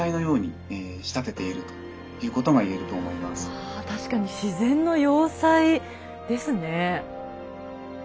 あ確かに自然の要塞ですね。